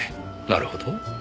なるほど。